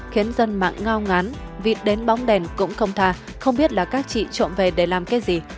khiến dân mạng ngao ngán vịt đến bóng đèn cũng không tha không biết là các chị trộm về để làm cái gì